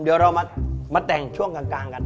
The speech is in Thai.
เดี๋ยวเรามาแต่งช่วงกลางกัน